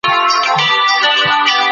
خپل کار پخپله کول ډېر خوند لري.